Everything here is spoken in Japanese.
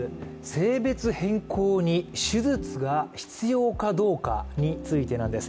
性別変更に手術が必要かどうかについてなんです。